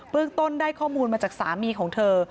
เรื่องต้นได้ข้อมูลมาจากสามีของเธอ